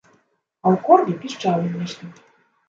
А ў корбе пішчала нешта.